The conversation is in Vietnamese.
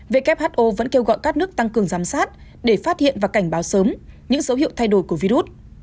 who vẫn kêu gọi các nước tăng cường giám sát để phát hiện và cảnh báo sớm những dấu hiệu thay đổi của virus